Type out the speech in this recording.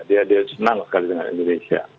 dia senang sekali dengan indonesia